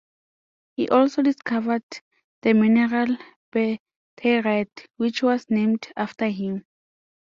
He also discovered the mineral Berthierite, which was named after him.